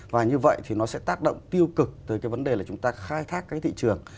và như vậy thì nó sẽ tác động tiêu cực tới cái vấn đề là chúng ta khai thác cái thị trường